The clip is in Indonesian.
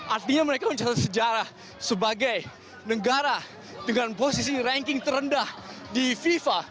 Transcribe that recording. artinya mereka mencatat sejarah sebagai negara dengan posisi ranking terendah di fifa